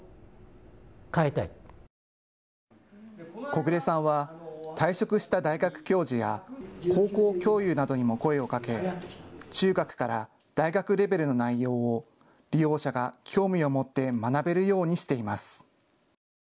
小暮さんは退職した大学教授や高校教諭などにも声をかけ中学から大学レベルの内容を利用者が興味を持って学べるようにしています。